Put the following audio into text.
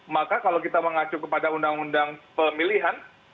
maka kalau kita mengacu kepada undang undang pemilihan